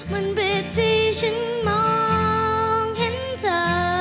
มันเวทีฉันมองเห็นเธอ